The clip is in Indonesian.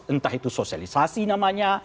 entah itu sosialisasi namanya